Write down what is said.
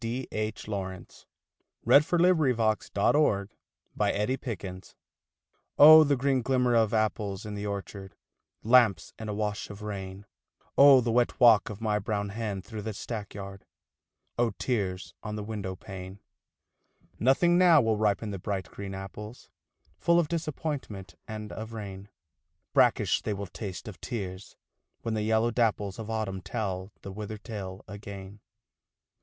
D. H. LAWRENCE D. H. LAWRENCE BALLAD OF ANOTHER OPHELIA Oh, the green glimmer of apples in the orchard, Lamps in a wash of rain, Oh, the wet walk of my brown hen through the stackyard, Oh, tears on the window pane! Nothing now will ripen the bright green apples, Full of disappointment and of rain, Brackish they will taste, of tears, when the yellow dapples Of Autumn tell the withered tale again.